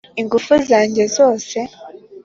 ingufu zange zose